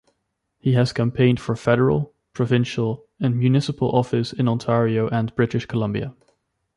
He has campaigned for federal, provincial and municipal office in Ontario and British Columbia.